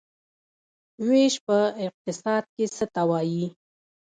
ویش په اقتصاد کې څه ته وايي؟